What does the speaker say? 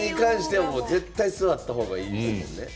絶対座った方がいいですよね。